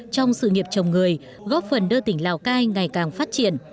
trong sự nghiệp chồng người góp phần đưa tỉnh lào cai ngày càng phát triển